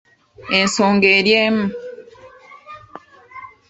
Ensonga eri emu.